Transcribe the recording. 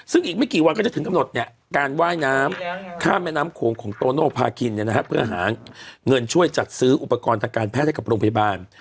ซึ่งอีกไม่กี่วันก็จะถึงกำหนดการว่ายน้ำข้ามแม่น้ำโขงของโตโนภาคินเพื่อหาเงินช่วยจัดซื้ออุปกรณ์ทางการแพทย์ให้กับโรงพยาบาล